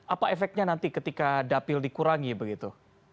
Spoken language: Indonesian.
apa efeknya nanti ketika dapil dikurangi begitu